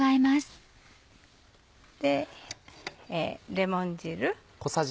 レモン汁。